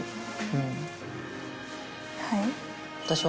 はい。